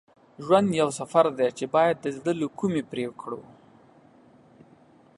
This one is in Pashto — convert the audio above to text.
ژوند یو سفر دی چې باید د زړه له کومي پرې کړو.